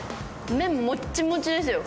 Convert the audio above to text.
麺、もっちもちですよ。